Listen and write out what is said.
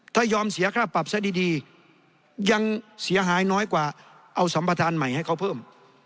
ถ้ายอมเสียค่าปรับซะดียังเสียหายน้อยกว่าเอาสัมประธานใหม่ให้เขาเพิ่ม